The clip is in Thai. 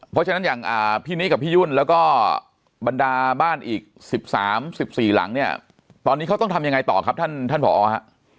เพราะฉะนั้นอย่างพี่นิกับพี่ยุ่นแล้วก็บรรดาบ้านอีก๑๓๑๔หลังเนี่ยตอนนี้เขาต้องทำยังไงต่อครับท่านผอฮะ